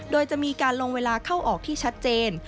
โดยจะมีการลงเวลาเข้าออกที่ชัดเจน